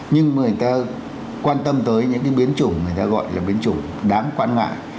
nhưng mà người ta quan tâm tới những cái biến chủng người ta gọi là biến chủng đáng quan ngại